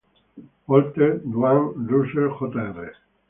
Walker Dwayne Russell Jr.